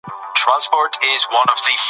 که ایوب خان پوښتنه وکړي، نو ځواب به ورکړل سي.